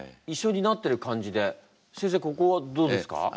先生ここはどうですか？